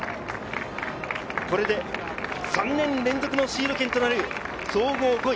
これで３年連続のシード権となる総合５位。